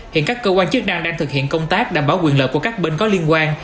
hiện các cơ quan chức đang thực hiện công tác đảm bảo quyền lợi của các bên có liên quan